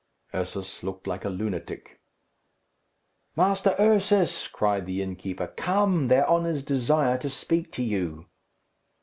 Ursus looked like a lunatic. "Master Ursus," cried the innkeeper, "come; their honours desire to speak to you."